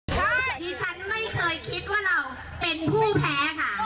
ใช่ดิฉันไม่เคยคิดว่าเราเป็นผู้แพ้ค่ะ